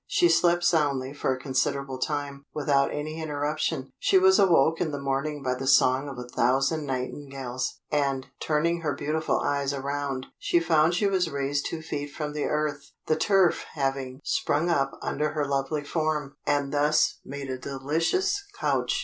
She slept soundly for a considerable time, without any interruption. She was awoke in the morning by the song of a thousand nightingales, and, turning her beautiful eyes around, she found she was raised two feet from the earth, the turf having sprung up under her lovely form, and thus made a delicious couch.